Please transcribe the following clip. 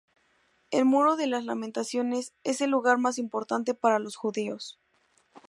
El Muro de las Lamentaciones es el lugar más importante para los judíos.